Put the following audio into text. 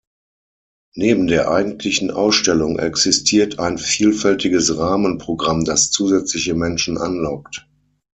Neben der eigentlichen Ausstellung existiert ein vielfältiges Rahmenprogramm, das zusätzliche Menschen anlockt.